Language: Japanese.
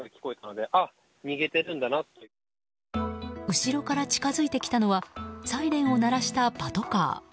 後ろから近付いてきたのはサイレンを鳴らしたパトカー。